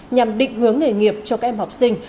nhằm định hướng nghề nghiệp cho các em học sinh